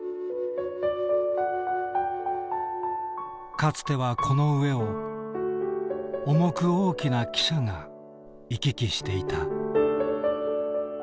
かつてはこの上を重く大きな汽車が行き来していた。